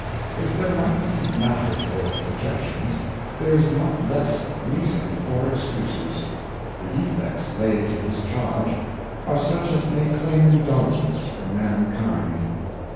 If there might be matter for Objections, there is not less reason for Excuses ; The Defects laid to his Charge, are such as may claim Indulgence from Mankind.